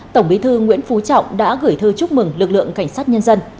tổng bí thư nguyễn phú trọng đã gửi thư chúc mừng lực lượng cảnh sát nhân dân